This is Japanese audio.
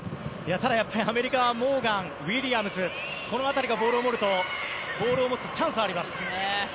ただ、やっぱりアメリカはモーガン、ウィリアムズこの辺りがボールを持つとチャンスがあります。